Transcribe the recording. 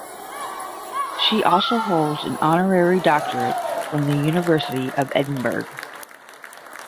She also holds an honorary doctorate from the University of Edinburgh.